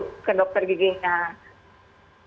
sebelum datang ke dokter gigi harus ukur suhu